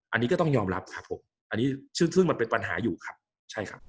อันนี้ก็ต้องยอมรับครับผมอันนี้ชื่อทึ่งมันเป็นปัญหาอยู่ครับใช่ครับ